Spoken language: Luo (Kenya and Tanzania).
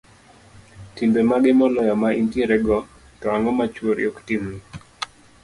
timbe mage moloyo ma intierego, to ang'o ma chuori ok timni?